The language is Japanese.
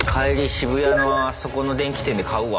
渋谷のあそこの電気店で買うわ。